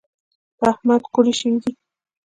په احمد کوډي شوي دي .